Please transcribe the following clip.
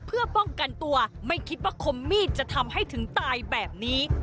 เพื่อป้องกันตัวไม่คิดว่าคมมีดจะทำให้ถึงตายแบบนี้